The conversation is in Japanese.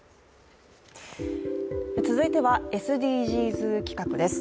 続いてはＳＤＧｓ企画です。